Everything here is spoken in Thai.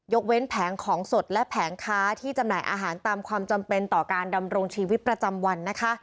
เว้นแผงของสดและแผงค้าที่จำหน่ายอาหารตามความจำเป็นต่อการดำรงชีวิตประจำวันนะคะ